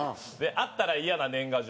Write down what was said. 「あったらイヤな年賀状」